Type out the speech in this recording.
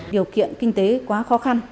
điều kiện kinh tế quá khó khăn